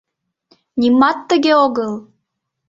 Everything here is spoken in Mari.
— Нимат тыге огыл!